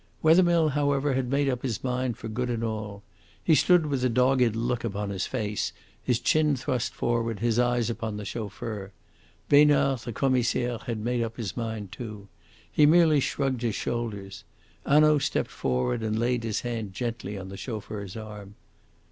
Wethermill, however, had made up his mind for good and all. He stood with a dogged look upon his face, his chin thrust forward, his eyes upon the chauffeur. Besnard, the Commissaire, had made up his mind, too. He merely shrugged his shoulders. Hanaud stepped forward and laid his hand gently on the chauffeur's arm.